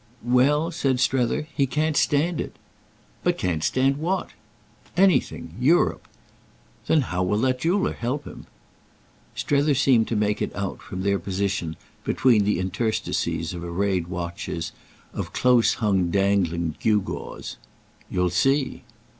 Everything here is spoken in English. "Well," said Strether, "he can't stand it." "But can't stand what?" "Anything. Europe." "Then how will that jeweller help him?" Strether seemed to make it out, from their position, between the interstices of arrayed watches, of close hung dangling gewgaws. "You'll see."